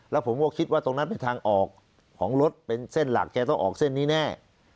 แล้วผมก็คิดว่าตรงนั้นเป็นทางออกของรถเป็นเส้นหลักแกต้องออกเส้นนี้แน่